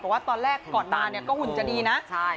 ว่าตอนแรกก่อนมาเนี่ยก็หุ่นจะดีนะ